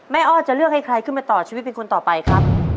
อ้อจะเลือกให้ใครขึ้นมาต่อชีวิตเป็นคนต่อไปครับ